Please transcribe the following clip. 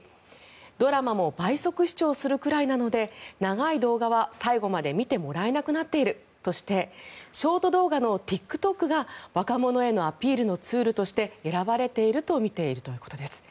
ドラマも倍速視聴するぐらいなので長い動画は最後まで見てもらえなくなっているとしてショート動画のＴｉｋＴｏｋが若者へのアピールのツールとして選ばれていると見ているということです。